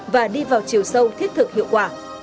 và đi vào chiều sâu thiết thực hiệu quả